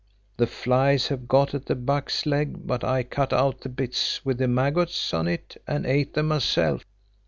The flies have got at the buck's leg, but I cut out the bits with the maggots on it and ate them myself."